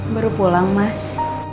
baru pulang mas